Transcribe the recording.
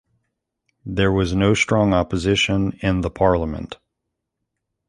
There was no strong opposition in the parliament.